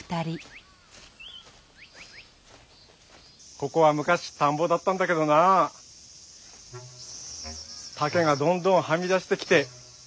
ここはむかし田んぼだったんだけどな竹がどんどんはみ出してきて。